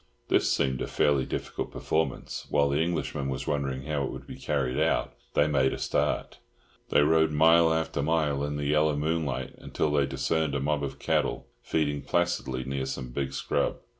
This seemed a fairly difficult performance; while the Englishman was wondering how it would be carried out, they made a start. They rode mile after mile in the yellow moonlight, until they discerned a mob of cattle feeding placidly near some big scrub.